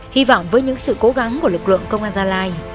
hy vọng với những sự cố gắng của lực lượng công an gia lai